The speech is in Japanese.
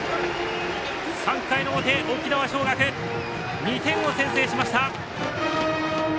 ３回の表、沖縄尚学２点を先制しました。